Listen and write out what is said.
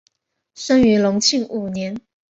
生于隆庆五年。